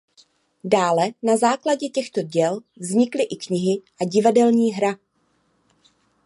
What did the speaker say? Dále na základě těchto děl vznikly i knihy a divadelní hra.